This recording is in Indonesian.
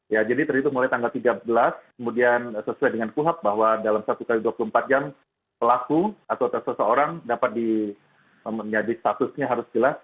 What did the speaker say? ya jadi terhitung mulai tanggal tiga belas kemudian sesuai dengan kuhab bahwa dalam satu x dua puluh empat jam pelaku atau seseorang dapat menjadi statusnya harus jelas